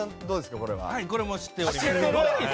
これも知っております。